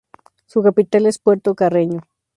Su capital es Puerto Carreño.